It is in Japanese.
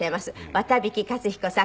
綿引勝彦さん